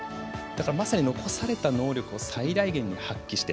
まさに残された能力を最大限に発揮して。